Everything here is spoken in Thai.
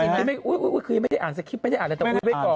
คือยีฟไม่ได้อ่านคือคือที่ไม่ได้อ่าน